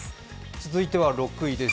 続いては６位です。